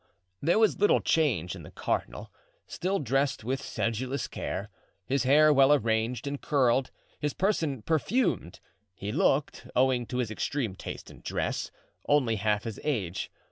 There was little change in the cardinal; still dressed with sedulous care, his hair well arranged and curled, his person perfumed, he looked, owing to his extreme taste in dress, only half his age.